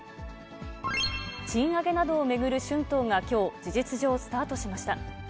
賃上げなどを巡る春闘がきょう、事実上スタートしました。